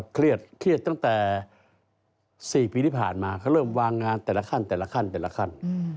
เครียดตั้งแต่๔ปีที่ผ่านมาเขาเริ่มวางงานแต่ละขั้นแต่ละขั้นแต่ละขั้น